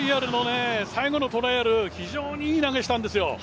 最後のトライアル、非常にいい投げしたんですよ。